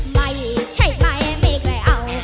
ไม่ใช่ไหมไม่ใครเอา